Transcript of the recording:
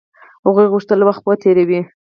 هغوی غوښتل وخت و تېريږي.